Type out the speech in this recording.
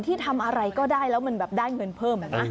ที่ทำอะไรก็ได้แล้วมันแบบได้เงินเพิ่มอะนะ